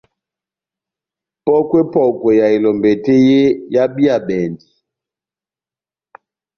Pɔ́kwɛ-pɔ́kwɛ ya elɔmbɛ tɛ́h yé ehábíyabɛndi.